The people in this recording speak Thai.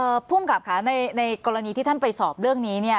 ภูมิกับค่ะในในกรณีที่ท่านไปสอบเรื่องนี้เนี่ย